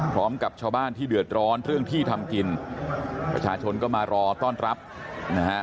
พร้อมกับชาวบ้านที่เดือดร้อนเรื่องที่ทำกินประชาชนก็มารอต้อนรับนะฮะ